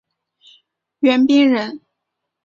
袁彬人。